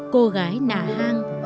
cô gái nạ hang